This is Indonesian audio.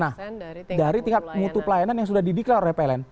nah dari tingkat mutu pelayanan yang sudah dideklar oleh pln